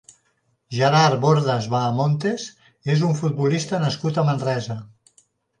Gerard Bordas Bahamontes és un futbolista nascut a Manresa.